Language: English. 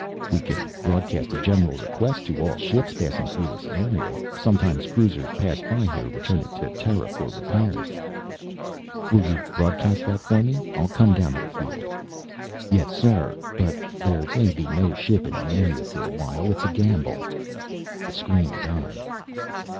"We can broadcast a general request to all ships passing through this area. Sometimes cruisers pass by here returning to Terra for repairs." "Will you broadcast that for me? I'll come down to the field." "Yes sir. But there may be no ship in the area for awhile. It's a gamble." The screen died.